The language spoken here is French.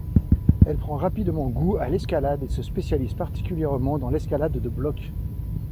Elle prend rapidement goût à l'escalade et se spécialise particulièrement dans l'escalade de bloc.